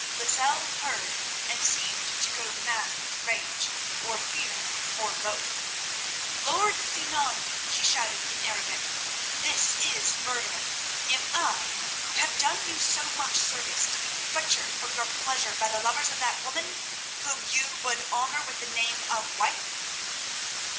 Lozelle heard, and seemed to go mad with rage, or fear, or both. "Lord Sinan," he shouted in Arabic, "this is murder. Am I, who have done you so much service, to be butchered for your pleasure by the lovers of that woman, whom you would honour with the name of wife?"